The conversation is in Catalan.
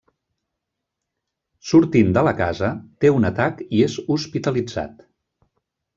Sortint de la casa, té un atac i és hospitalitzat.